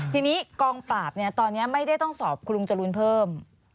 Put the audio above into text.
ทีนี้กองปราบตอนนี้ไม่ได้ต้องสอบคุณลุงจรูนเพิ่ม